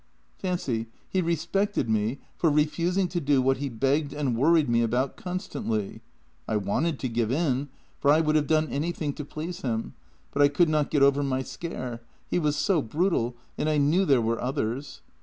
Fancy, he respected me for refusing to do what he begged and worried me about constantly. I wanted to give in, for I would have done anything to please him, but I could not get over my scare; he was so brutal, and I knew there were others.